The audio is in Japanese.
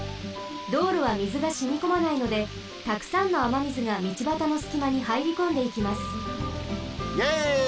道路はみずがしみこまないのでたくさんのあまみずが道ばたのすきまにはいりこんでいきます。